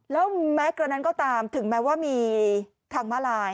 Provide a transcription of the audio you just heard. แล้วแม้กระนั้นก็ตามถึงแม้ว่ามีทางมาลาย